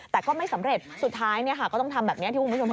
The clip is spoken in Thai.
แต่ก็ไม่สำเร็จสุดท้ายก็ต้องทำแบบนี้ที่คุณผู้ชมเห็น